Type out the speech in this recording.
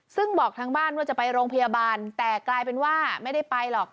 ซึ่งบอกทางบ้านว่าจะไปโรงพยาบาลแต่กลายเป็นว่าไม่ได้ไปหรอก